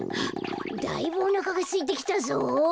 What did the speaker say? だいぶおなかがすいてきたぞ。